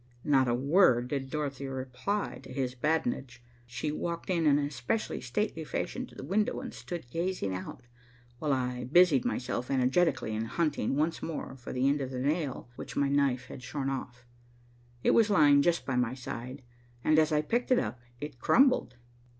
Not a word did Dorothy reply to his badinage. She walked in an especially stately fashion to the window and stood gazing out, while I busied myself energetically in hunting once more for the end of the nail which my knife had shorn off. It was lying just by my side, and as I picked it up, it crumbled.